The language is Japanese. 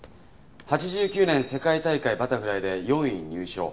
８９年世界大会バタフライで４位入賞。